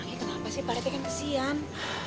emangnya kenapa sih parete kan kesian